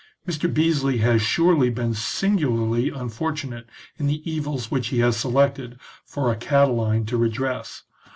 Mr. Beesly has surely been singularly un fortunate in the evils which he has selected for a Catiline to redress.